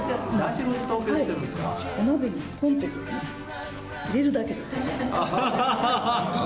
お鍋にポンとですね入れるだけです。